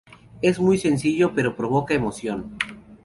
Es muy sencillo pero provoca emoción.